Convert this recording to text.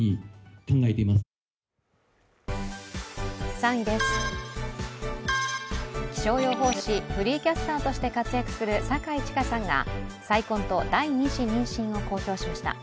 ３位です、気象予報士フリーキャスターとして活躍する酒井千佳さんが再婚と第２子妊娠を公表しました。